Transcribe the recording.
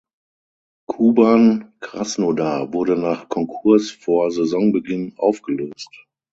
Kuban Krasnodar wurde nach Konkurs vor Saisonbeginn ausgelöst.